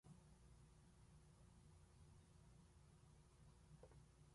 The grave was located along an artillery lane close to Base no.